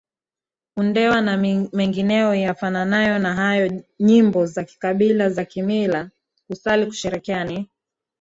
Undewa na mengineyo yafananayo na hayo nyimbo za kikabila za kimila kusali kusheherekea Ni